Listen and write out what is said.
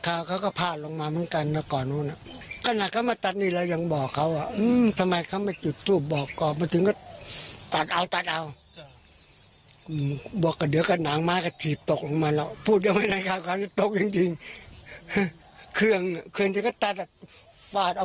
ก็ขึ้นอยู่กับความเชื่อด้วยนะครับ